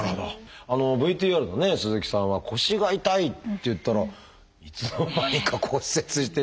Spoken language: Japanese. ＶＴＲのね鈴木さんは腰が痛いっていったらいつの間にか骨折していたって。